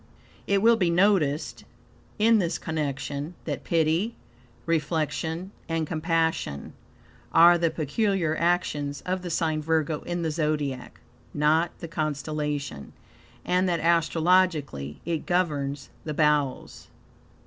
It will be noticed in this connection that pity, reflection, and compassion, are the peculiar actions of the sign Virgo in the Zodiac (not the constellation), and that astrologically it governs the bowels.